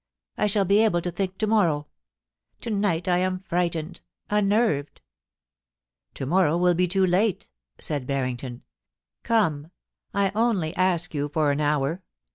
I shall be able to think to morrow. To night I am frightened, unnerved.' * To morrow will be too late,' said Barrington. * Come ! I only ask you for an hour.